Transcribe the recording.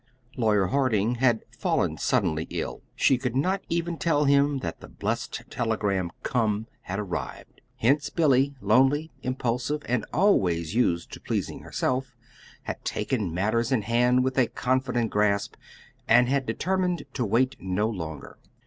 Lawyer Harding had fallen suddenly ill; she could not even tell him that the blessed telegram "Come" had arrived. Hence Billy, lonely, impulsive, and always used to pleasing herself, had taken matters in hand with a confident grasp, and had determined to wait no longer.